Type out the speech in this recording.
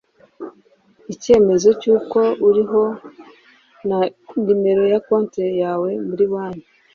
icyemezo cy’uko uriho na numero ya konti yawe muri banki